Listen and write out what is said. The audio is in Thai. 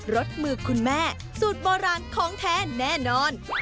รสมือคุณแม่สูตรโบราณของแท้แน่นอน